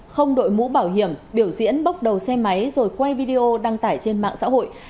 không đội mũ bảo hiểm biểu diễn bốc đầu xe máy rồi quay video đăng tải trên mạng xã hội